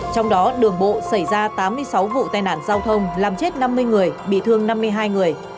trong đó đường bộ xảy ra tám mươi sáu vụ tai nạn giao thông làm chết năm mươi người bị thương năm mươi hai người